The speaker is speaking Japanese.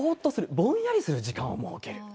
ぼんやりする時間を設ける。